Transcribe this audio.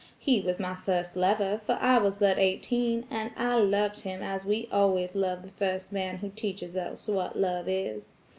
He was my first lover, for I was but eighteen, and I loved him as we always love the first man who teaches us what love is.